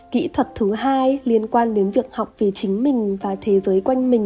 kỹ thuật thứ hai liên quan đến việc học về chính mình và thế giới quan trọng